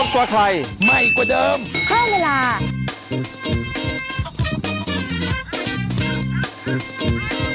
โปรดติดตามตอนต่อไป